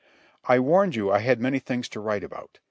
I warned you I had many things to write about.